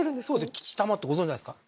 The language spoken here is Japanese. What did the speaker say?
吉玉ってご存じないですか？